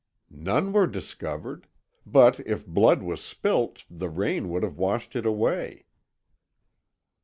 "None were discovered; but if blood was spilt, the rain would have washed it away."